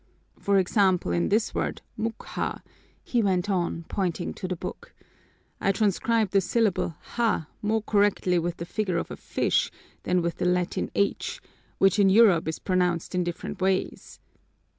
For example, in this word mukha," he went on, pointing to the book, "I transcribe the syllable ha more correctly with the figure of a fish than with the Latin h, which in Europe is pronounced in different ways.